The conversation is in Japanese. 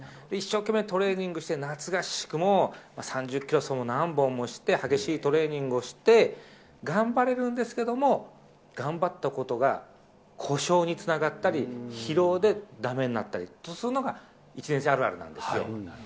一生懸命トレーニングして、夏合宿も３０キロ走を何本もして、激しいトレーニングをして、頑張れるんですけども、頑張ったことが故障につながったり、疲労でだめになったりするのが１年生あるあるなんですよ。